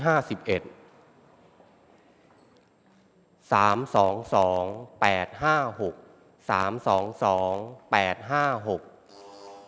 ออกทางวันที่๕ครั้งที่๕๒